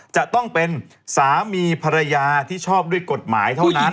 จะต้องเป็นสามีภรรยาที่ชอบด้วยกฎหมายเท่านั้น